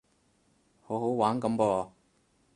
好好玩噉噃